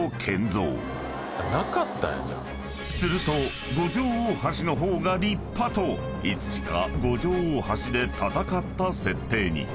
［すると五条大橋の方が立派といつしか五条大橋で戦った設定に］